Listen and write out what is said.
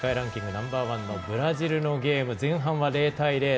ナンバーワンのブラジルのゲーム前半は０対０。